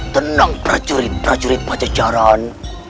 tenang prajurit prajurit pajajaran